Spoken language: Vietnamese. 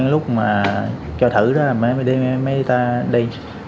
lúc mà cho thử đó là mới đi